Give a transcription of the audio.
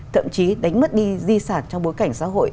thậm chí đánh mất đi di sản trong bối cảnh xã hội